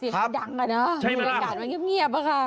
เสียงดังอะเนอะมีอากาศมันเงียบอะค่ะ